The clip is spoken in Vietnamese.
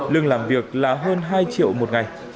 lương làm việc là hơn hai triệu một ngày